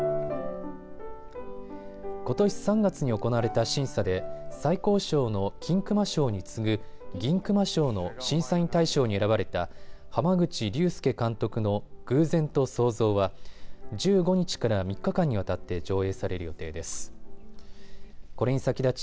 ことし３月に行われた審査で最高賞の金熊賞に次ぐ銀熊賞の審査員大賞に選ばれた濱口竜介監督の偶然と想像は１５日から３日間にわたって上映される予定です。